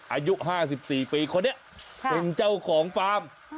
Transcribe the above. อายุห้าสิบสี่ปีคนนี้เป็นเจ้าของฟาร์ม